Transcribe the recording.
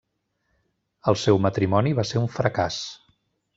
El seu matrimoni va ser un fracàs.